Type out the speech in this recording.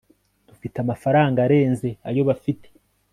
dufite amafaranga arenze ayo bafite